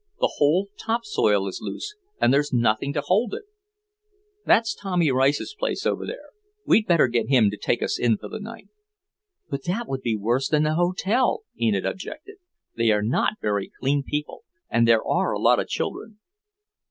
The whole top soil is loose, and there's nothing to hold to. That's Tommy Rice's place over there. We'd better get him to take us in for the night." "But that would be worse than the hotel," Enid objected. "They are not very clean people, and there are a lot of children."